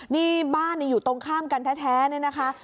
นี่บ้านอยู่ตรงข้ามกันแท้เนี่ยนะคะ